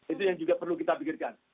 itu yang juga perlu kita pikirkan